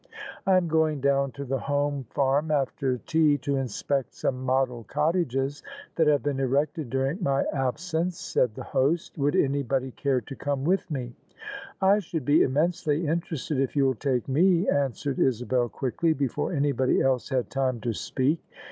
" I am going down to the home farm after tea to inspect some model cottages that have been erected during my absence," said the host: "would anybody care to come with me?" " I should be immensely interested, if you'll take me," answered Isabel quickly, before anybody else had time to speak.